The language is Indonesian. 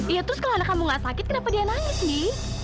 iya terus kalau anak kamu gak sakit kenapa dia nangis nih